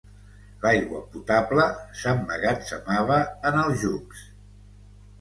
L'aigua potable s'emmagatzemava en aljubs.